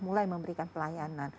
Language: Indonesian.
mulai memberikan pelayanan